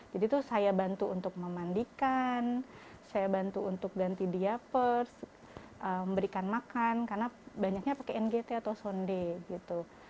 jadi itu saya bantu untuk memandikan saya bantu untuk ganti diapers memberikan makan karena banyaknya pakai ngt atau sonde gitu